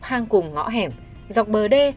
hang cùng ngõ hẻm dọc bờ đê